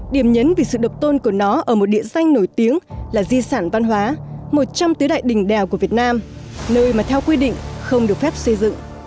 điểm nhấn vì sự độc tôn của nó ở một địa danh nổi tiếng là di sản văn hóa một trong tứ đại đỉnh đèo của việt nam nơi mà theo quy định không được phép xây dựng